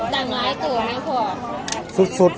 สวัสดีทุกคน